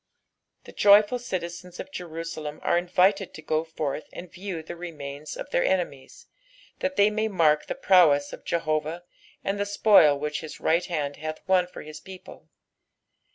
The jOTful citizens of Jenuateni an invited to go forth and view the remains of their eDemies, thst thej msy mark the prowess of Jehcvsh and the spoil which his right hand bath won for his people.